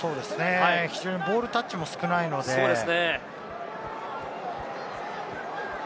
非常にボールタッチも少ないのでね。